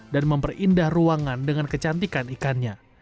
dan memperindah ruangan dengan kecantikan ikannya